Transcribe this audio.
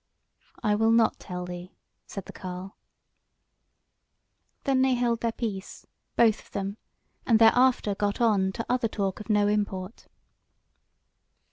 "I will not tell thee," said the carle. Then they held their peace, both of them, and thereafter got on to other talk of no import.